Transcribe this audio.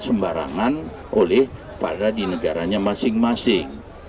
sembarangan oleh para di negaranya masing masing